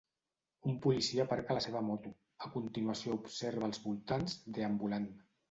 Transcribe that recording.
Un policia aparca la seva moto, a continuació observa els voltants, deambulant.